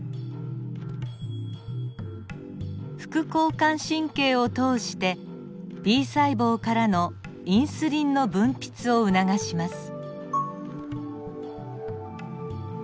副交感神経を通してＢ細胞からのインスリンの分泌を促します。